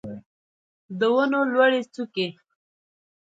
د ونو لوړې څوکې